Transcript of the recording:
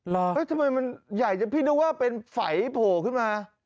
ทำไมมันใหญ่จนพี่นึกว่าเป็นไฝโผล่ขึ้นมา